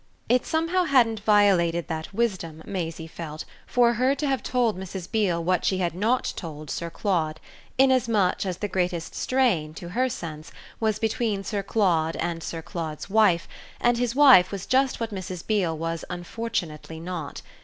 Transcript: It somehow hadn't violated that wisdom, Maisie felt, for her to have told Mrs. Beale what she had not told Sir Claude, inasmuch as the greatest strain, to her sense, was between Sir Claude and Sir Claude's wife, and his wife was just what Mrs. Beale was unfortunately not.